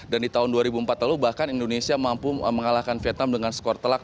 dan di tahun dua ribu empat lalu bahkan indonesia mampu mengalahkan vietnam dengan skor telak tiga